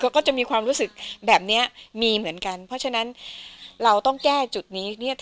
ก็จะมีความรู้สึกแบบนี้มีเหมือนกันเพราะฉะนั้นเราต้องแก้จุดนี้